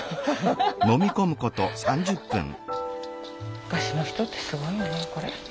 昔の人ってすごいよね。